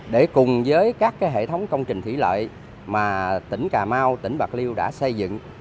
để cùng với các hệ thống công trình thủy lợi mà tỉnh cà mau tỉnh bạc liêu đã xây dựng